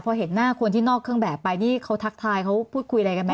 พอเห็นหน้าคนที่นอกเครื่องแบบไปนี่เขาทักทายเขาพูดคุยอะไรกันไหม